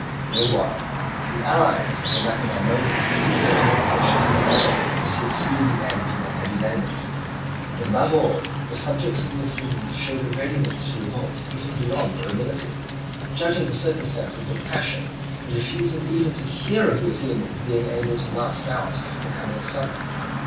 Meanwhile the allies of the Lacedaemonians felt all more anxious than ever to see a speedy end to their heavy labours. But above all, the subjects of the Athenians showed a readiness to revolt even beyond their ability, judging the circumstances with passion, and refusing even to hear of the Athenians being able to last out the coming summer.